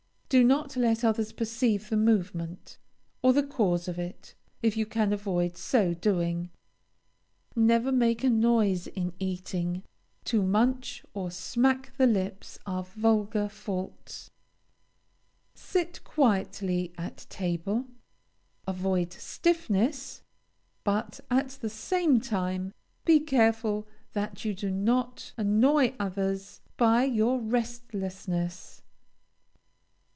Do not let others perceive the movement, or the cause of it, if you can avoid so doing. Never make a noise in eating. To munch or smack the lips are vulgar faults. Sit quietly at table, avoid stiffness, but, at the same time, be careful that you do not annoy others by your restlessness.